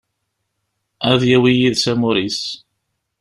Ad yawi yid-s amur-is.